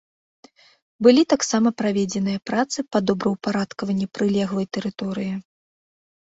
Былі таксама праведзеныя працы па добраўпарадкаванні прылеглай тэрыторыі.